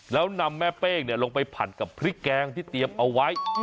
แล้วนำแม่เป้งลงไปผัดกับพริกแกงที่เตรียมเอาไว้